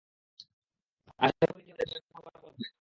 আশা করি এটা আমাদেরকে বের হবার পথ দেখাবে।